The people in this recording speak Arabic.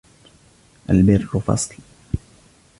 الْبِرُّ فَصْلٌ